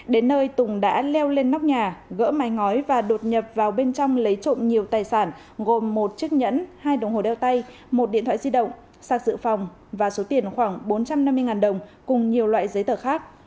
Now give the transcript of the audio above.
đến nơi tùng đã leo lên nóc nhà gỡ mái ngói và đột nhập vào bên trong lấy trộm nhiều tài sản gồm một chiếc nhẫn hai đồng hồ đeo tay một điện thoại di động sạc dự phòng và số tiền khoảng bốn trăm năm mươi đồng cùng nhiều loại giấy tờ khác